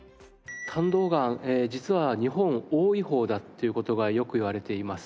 胆道がん実は日本多い方だっていう事がよく言われています。